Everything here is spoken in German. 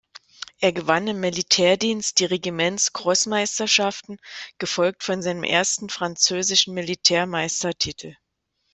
Er gewann im Militärdienst die Regiments-Cross-Meisterschaften, gefolgt von seinem ersten französischen Militär-Meistertitel.